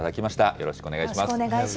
よろしくお願いします。